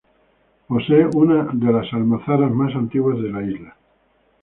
Posee una de las almazaras más antiguas de la isla.